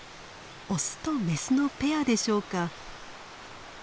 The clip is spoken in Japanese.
オスとメスのペアでしょうか。